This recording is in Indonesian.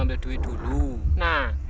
ambil duit dulu nah